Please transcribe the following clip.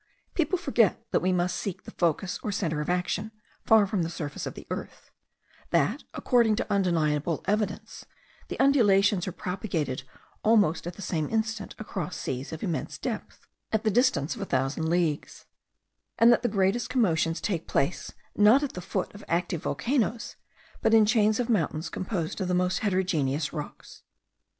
People forget that we must seek the focus or centre of action, far from the surface of the earth; that, according to undeniable evidence, the undulations are propagated almost at the same instant across seas of immense depth, at the distance of a thousand leagues; and that the greatest commotions take place not at the foot of active volcanoes, but in chains of mountains composed of the most heterogeneous rocks.